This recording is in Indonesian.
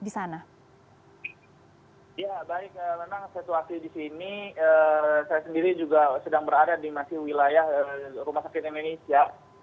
ya baik memang situasi di sini saya sendiri juga sedang berada di masih wilayah rumah sakit indonesia